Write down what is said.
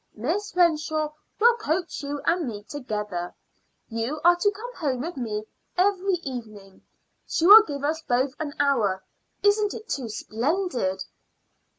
Miss Renshaw will coach you and me together. You are to come home with me every evening. She will give us both an hour. Isn't it too splendid?"